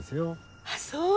あっそう！